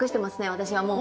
私はもう。